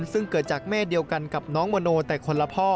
ซึ่งเกิดจากแม่เดียวกันกับน้องโมโนแต่คนละพ่อ